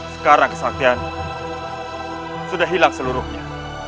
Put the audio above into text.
sekarang kesakian sudah hilang seluruhnya